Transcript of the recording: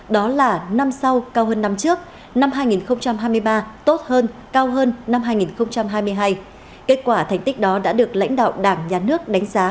đó là năm sau cao hơn năm trước năm hai nghìn hai mươi ba tốt hơn cao hơn năm hai nghìn hai mươi hai kết quả thành tích đó đã được lãnh đạo đảng nhà nước đánh giá